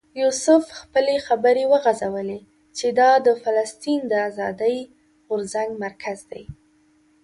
یوسف خپلې خبرې وغځولې چې دا د فلسطین د آزادۍ غورځنګ مرکز دی.